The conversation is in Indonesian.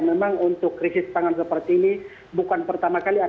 memang untuk krisis pangan seperti ini bukan pertama kali